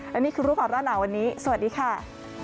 และนี่คือรูปของร้อนหนาวันนี้สวัสดีค่ะ